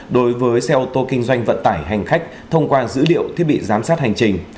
đối với xe ô tô kinh doanh vận tải hành khách thông qua dữ liệu thiết bị giám sát hành trình